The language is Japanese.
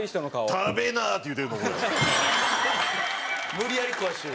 無理やり食わせてる。